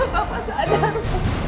bapak sadar pak